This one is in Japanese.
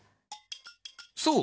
そう。